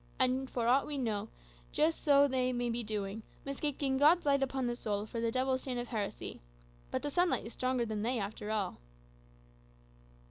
And, for aught we know, just so may they be doing, mistaking God's light upon the soul for the devil's stain of heresy. But the sunlight is stronger than they, after all."